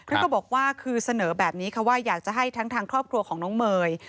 ท่านก็บอกว่าคือเสนอแบบนี้ค่ะว่าอยากจะให้ทั้งทางครอบครัวของน้องเมย์